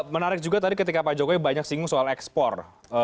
menarik juga tadi ketika pak jokowi banyak singgung soal ekspor